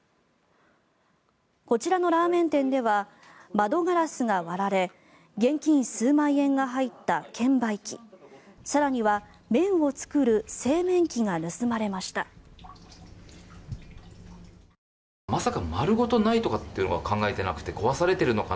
こちらのラーメン店では窓ガラスが割られ現金数万円が入った券売機更には麺を作る製麺機が盗まれました。